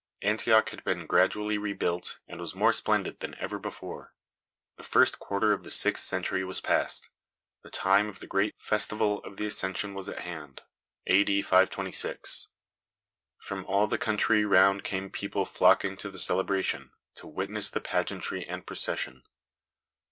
Antioch had been gradually rebuilt, and was more splendid than ever before. The first quarter of the sixth century was past. The time of the great festival of the Ascension was at hand, A. D. 526. From all the country round came people flocking to the celebration, to witness the pageantry and procession.